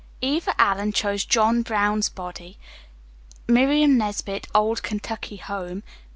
Eva Allen chose "John Brown's Body." Miriam Nesbit, "Old Kentucky Home."